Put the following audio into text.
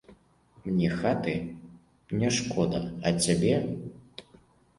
Мне хаты не шкода, а цябе.